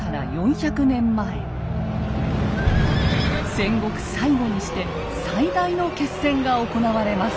戦国最後にして最大の決戦が行われます。